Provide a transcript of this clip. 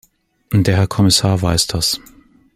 Der Herr Kommissar weiß das.